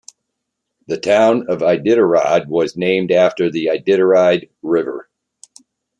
The town of Iditarod was named after the Iditarod River.